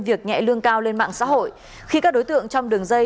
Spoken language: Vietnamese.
việc nhẹ lương cao lên mạng xã hội khi các đối tượng trong đường dây